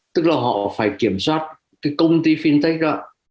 tức là họ phải kiểm soát cái công ty fintech đó